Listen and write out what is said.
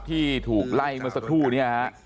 ที่ถูกไล่มาสักทั่วนี้